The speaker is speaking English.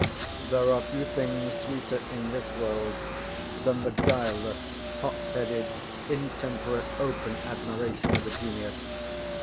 There are few things sweeter in this world than the guileless, hot headed, intemperate, open admiration of a junior.